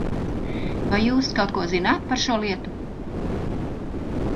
Vai jūs kaut ko zināt par šo lietu?